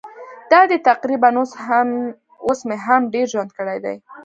دا دی تقریباً اوس مې هم ډېر ژوند کړی دی.